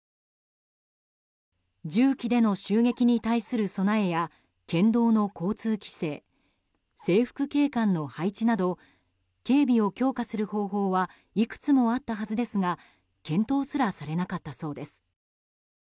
銃器での襲撃に対する備えや県道の交通規制制服警官の配置など警備を強化する方法はいくつもあったはずですが検討すらされなかったそうです。